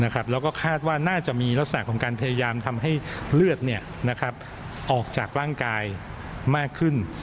แล้วก็คาดว่าน่าจะมีลักษณะของการพยายามทำให้เลือดออกจากร่างกายมากขึ้น